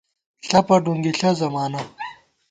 ݪپہ ڈُنگِݪہ زمانہ